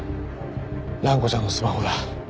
蘭子ちゃんのスマホだ。